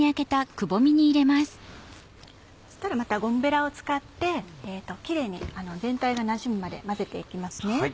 そしたらまたゴムベラを使ってキレイに全体がなじむまで混ぜて行きますね。